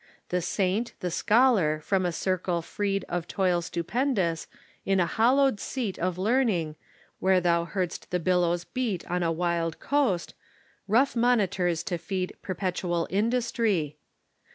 . The saint, the scholar, from a circle freed Of toil stupendous, in a hallowed seat Of learning, where thou heardst the billows beat On a wild coast, rough monitors to feed Perpetual industry.